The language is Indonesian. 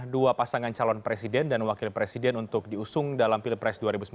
dua pasangan calon presiden dan wakil presiden untuk diusung dalam pilpres dua ribu sembilan belas